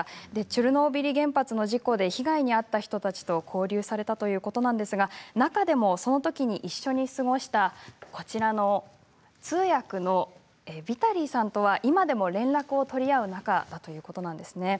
チョルノービリ原発の事故で被害に遭った人たちと交流されたということなんですが中でもそのときに一緒に過ごした通訳のヴィタリーさんとは今でも連絡を取り合う仲だということです。